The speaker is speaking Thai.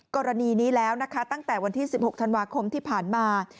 กรณีนี้แล้วนะคะตั้งแต่วันที่๑๖ธันวาคมที่ผ่านมา